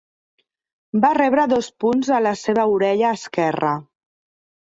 Va rebre dos punts a la seva orella esquerra.